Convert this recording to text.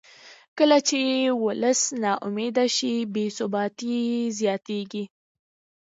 کله چې ولس نا امیده شي بې ثباتي زیاتېږي